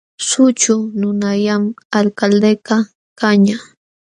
Sućhu nunallam Alcaldekaq kañaq.